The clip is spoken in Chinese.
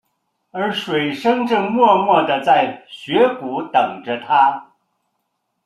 而水笙正默默地在雪谷等着他。